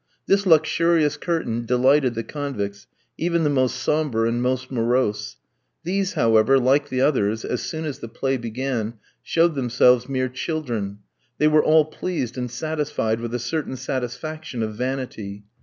This luxurious curtain delighted the convicts, even the most sombre and most morose. These, however, like the others, as soon as the play began, showed themselves mere children. They were all pleased and satisfied with a certain satisfaction of vanity.